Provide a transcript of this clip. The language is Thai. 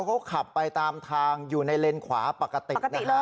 เขาขับไปตามทางอยู่ในเลนขวาปกตินะฮะ